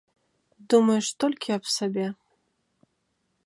Думаеш толькі аб сабе.